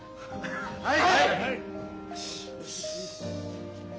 はい！